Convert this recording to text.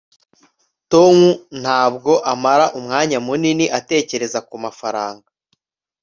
tom ntabwo amara umwanya munini atekereza kumafaranga